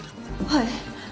はい。